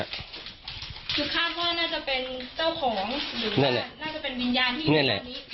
คือคาดว่าน่าจะเป็นเจ้าของหรือนั่นแหละน่าจะเป็นวิญญาณที่อยู่ในนี้